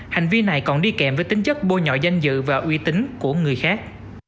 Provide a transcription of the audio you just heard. hành vi này còn đi kèm với tính chất bôi nhọ danh dự và uy tín của người khác